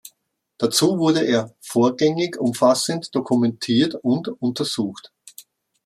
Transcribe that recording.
Dazu wurde er vorgängig umfassend dokumentiert und untersucht.